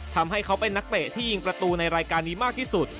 ทำให้เขาเป็นนักเตะที่ยิงประตูในรายการนี้มากที่สุด